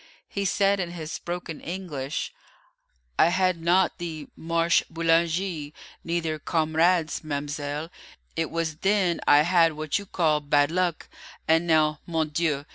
He said, in his broken English, 'I had not the "Marche Boulanger," neither "Comrades," ma'mselle; it was then I had what you call bad luck, and now, _mon Dieu!